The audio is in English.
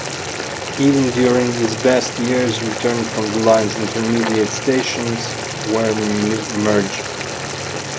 Even during its best years, returns from the line's intermediate stations were meagre.